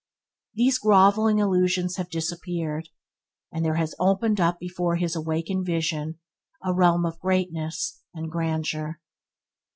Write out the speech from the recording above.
These grovelling illusion have disappeared, and there has opened up before his awakened vision a realm of greatness and grandeur.